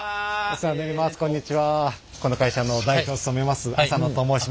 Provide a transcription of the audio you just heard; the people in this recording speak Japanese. この会社の代表を務めます浅野と申します。